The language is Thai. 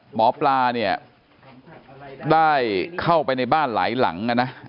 หมอปลาเนี่ยได้เข้าไปในบ้านหลายหลังนะ